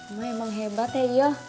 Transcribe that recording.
emak emang hebat ya